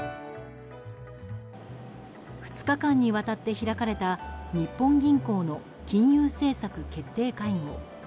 ２日間にわたって開かれた日本銀行の金融政策決定会合。